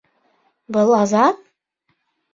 Был Азат?